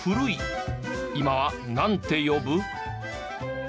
今はなんて呼ぶ？